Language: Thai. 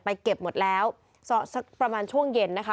เก็บหมดแล้วสักประมาณช่วงเย็นนะคะ